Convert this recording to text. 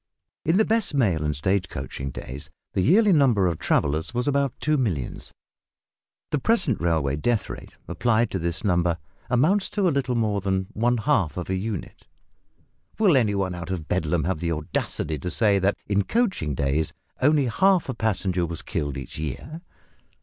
In the best mail and stage coaching days the yearly number of travellers was about two millions. The present railway death rate applied to this number amounts to a little more than one half of a unit! Will any one out of Bedlam have the audacity to say that in coaching days only half a passenger was killed each year?